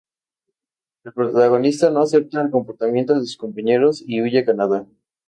El protagonista no acepta el comportamiento de sus compañeros y huye a Canadá.